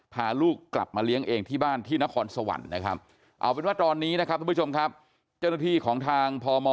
พาลูกกลับมาเลี้ยงเองที่บ้านที่นครสวรรค์นะครับเอาเป็นว่าตอนนี้นะครับทุกผู้ชมครับเจ้าหน้าที่ของทางพม